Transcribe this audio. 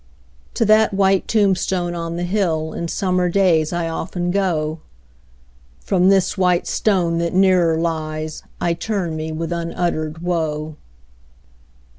To that white tombstone on the hillIn summer days I often go; From this white stone that nearer liesI turn me with unuttered woe.